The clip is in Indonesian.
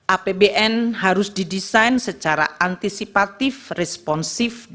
apbn harus didesain secara antisipatif responsif